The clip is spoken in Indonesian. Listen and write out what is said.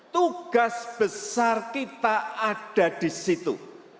tugas besar kita ada di situ